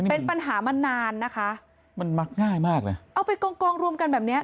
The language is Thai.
เป็นปัญหามันนานนะคะเอาไปกองรวมกันแบบนี้